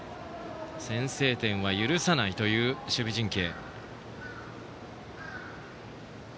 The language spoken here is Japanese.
先制点は許さないという守備陣形。